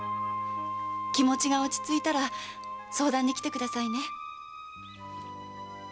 気持ちが落ち着いたら相談に来てくださいね。